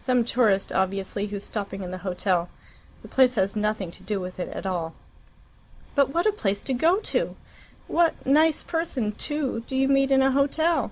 Some tourist, obviously, who's stopping in the hotel. The place has nothing to do with it at all." "But what a place to go to! What nice person, too, do you meet in a hotel?"